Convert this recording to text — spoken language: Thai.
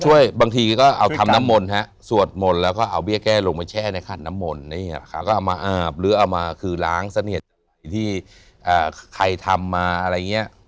ช่วยบางทีก็เอาทำน้ำมนฮะสวดหมดแล้วก็เอาเบี้ยแก้ลงไปแช่ในขัดน้ำมนฮะก็เอามาอาบหรือเอามาคือล้างซะเนี่ยที่ใครทำมาอะไรเงี้ย